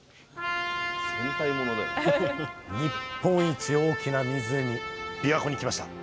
日本一大きな湖びわ湖に来ました。